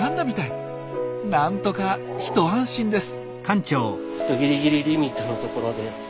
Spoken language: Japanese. なんとか一安心です。